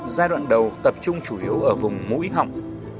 giai đoạn đầu tập trung chủ yếu ở vùng mũi họng